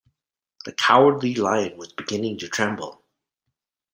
The Cowardly Lion was beginning to tremble.